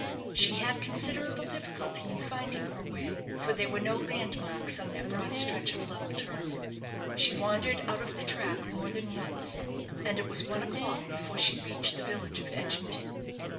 She had considerable difficulty in finding her way, for there were no landmarks on that broad stretch of level turf. She wandered out of the track more than once, and it was one o'clock before she reached the village of Edgington.